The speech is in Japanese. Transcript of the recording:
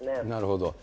なるほど。